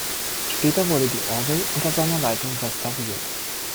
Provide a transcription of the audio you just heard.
Später wurde die Orgel unter seiner Leitung restauriert.